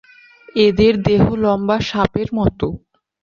এদের দেহ লম্বা, সাপের মত।